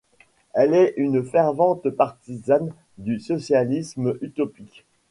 Elle est une fervente partisane du socialisme utopique.